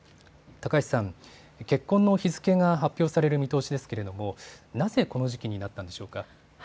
高橋さん、結婚の日付が発表される見通しですけれどもなぜこの時期になったんでしょうか。